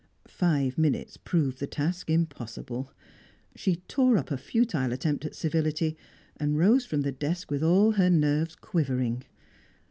Five minutes proved the task impossible. She tore up a futile attempt at civility, and rose from the desk with all her nerves quivering.